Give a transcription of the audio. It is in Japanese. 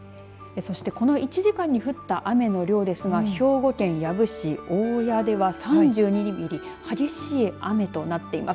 そして、この１時間に降った雨の量ですが兵庫県養父市大屋では３２ミリ激しい雨となっています。